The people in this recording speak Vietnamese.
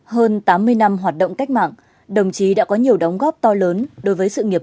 hơn tám mươi năm hoạt động cách mạng đồng chí đã có nhiều đóng góp to lớn đối với sự nghiệp